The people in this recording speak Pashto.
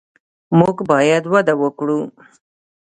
موږ باید وده ورکړو.